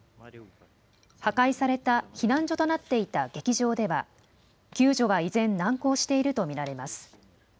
破壊された避難所となっていた劇場では救助は依然、難航していると見られます。